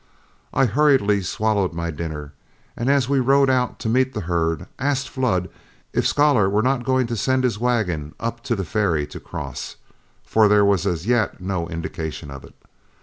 I hurriedly swallowed my dinner, and as we rode out to meet the herd, asked Flood if Scholar were not going to send his wagon up to the ferry to cross, for there was as yet no indication of it.